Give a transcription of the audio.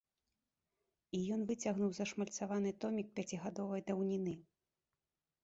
І ён выцягнуў зашмальцаваны томік пяцігадовай даўніны.